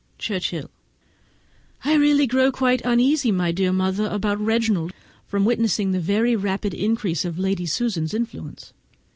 _ Churchhill I really grow quite uneasy, my dearest mother, about Reginald, from witnessing the very rapid increase of Lady Susan's influence.